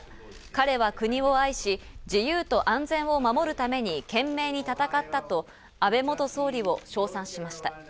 彼は国を愛し、自由と安全を守るために懸命に戦ったと安倍元総理を賞賛しました。